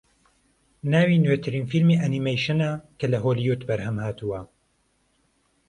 ناوی نوێترین فیلمی ئەنیمەیشنە کە لە هۆلیوود بەرهەمهاتووە